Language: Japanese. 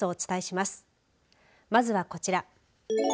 まずはこちら。